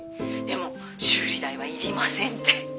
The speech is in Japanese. でも修理代はいりませんって。